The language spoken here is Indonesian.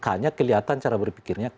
kemudian ada persiapan cara berpikirnya